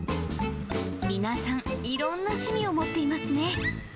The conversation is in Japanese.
皆さん、いろんな趣味を持っていますね。